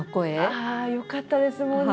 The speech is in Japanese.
よかったですもんね！